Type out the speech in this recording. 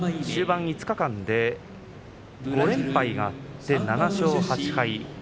終盤５日間で５連敗があって７勝８敗